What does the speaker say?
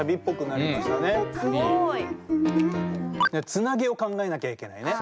つなぎを考えなきゃいけないね。